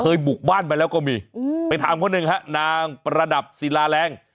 บุกบ้านมาแล้วก็มีไปถามคนหนึ่งฮะนางประดับศิลาแรง